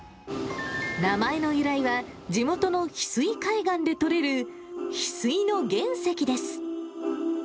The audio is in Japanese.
名前の由来は、地元のヒスイ海岸でとれるヒスイの原石です。